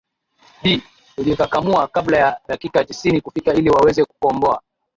di hujikakamua kabla ya dakiki tisini kufika ili waweze kukomboa